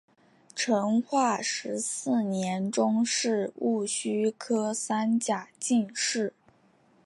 成化十四年中式戊戌科三甲进士。